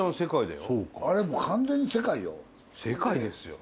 あれもう完全に世界よ。